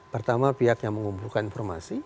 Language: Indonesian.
pertama pihak yang mengumpulkan informasi